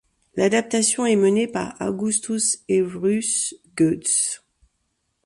L'adaptation est menée par Augustus et Ruth Goetz.